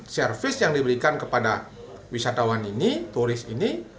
servis yang diberikan kepada wisatawan ini turis ini